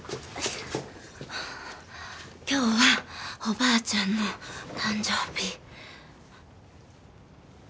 今日はおばあちゃんの誕生日。